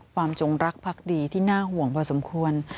จงรักพักดีที่น่าห่วงพอสมควร